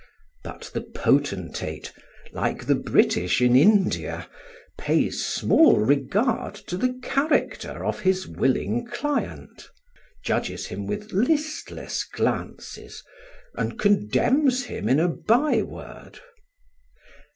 But the potentate, like the British in India, pays small regard to the character of his willing client, judges him with listless glances, and condemns him in a byword.